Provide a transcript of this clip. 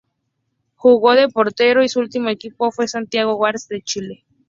Jugó de portero y su último equipo fue Santiago Wanderers de Chile.